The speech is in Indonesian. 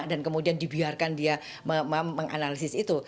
dan kemudian dibiarkan dia menganalisis itu